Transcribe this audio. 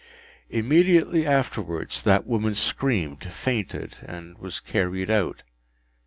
Immediately afterwards that woman screamed, fainted, and was carried out.